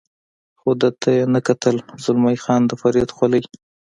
خو ده ته یې نه کتل، زلمی خان د فرید خولۍ.